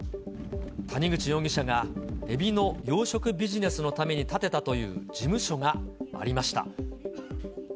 谷口容疑者がエビの養殖ビジネスのために建てたという事務所がありました。